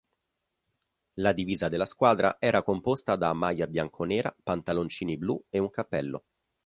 La divisa della squadra era composta da maglia bianconera, pantaloncini blu e un cappello.